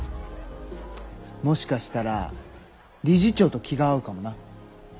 もしかしたら理事長と気が合うかもな。